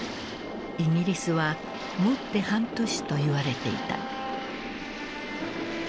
イギリスはもって半年といわれていた。